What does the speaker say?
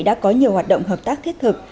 đã có nhiều hoạt động hợp tác thiết thực